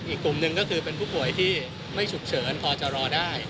อีกกลุ่มหนึ่งก็คือเป็นผู้ป่วยที่ไม่ฉุกเฉินพอจะรอได้